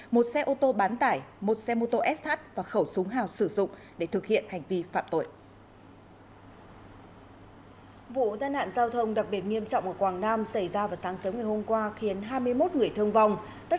một xe ô tô bán tải một xe mô tô sh và khẩu súng hào sử dụng để thực hiện hành vi phạm tội